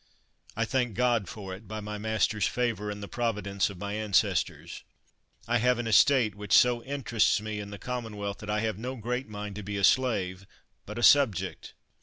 I thank God for it, by my master's favor and the providence of my ances tors, I have an estate which so interests me in the commonwealth that I have no great mind to be a slave, but a subject.